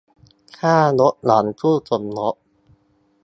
ค่าลดหย่อนคู่สมรส